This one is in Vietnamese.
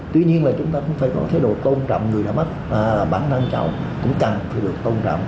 tuy nhiên là chúng ta cũng phải có thái độ tôn trọng người đã mất bản năng cháu cũng cần phải được tôn trọng